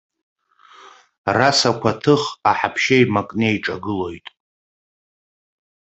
Расақәа ҭых, аҳаԥшьа еимакны еиҿагылоит.